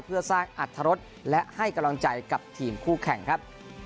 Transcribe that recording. เพื่อสร้างอัตรรสและให้กำลังใจกับทีมคู่แข่งครับ